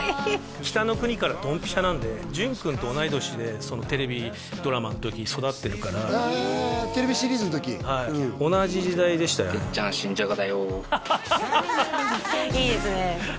「北の国から」ドンピシャなんで純君と同い年でそのテレビドラマの時育ってるからへえテレビシリーズの時？はい同じ時代でしたよねいいですね